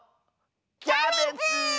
キャベツ！